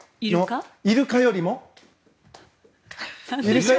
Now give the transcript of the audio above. イルカよりも。